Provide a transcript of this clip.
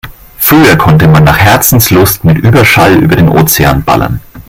Früher konnte man nach Herzenslust mit Überschall über den Ozean ballern.